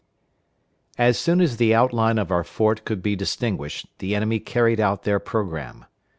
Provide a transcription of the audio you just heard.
As soon as the outline of our fort could be distinguished, the enemy carried out their programme.